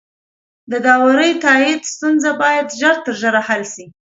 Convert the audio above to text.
د واورئ تائیدو ستونزه باید ژر تر ژره حل شي.